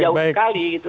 masih jauh sekali gitu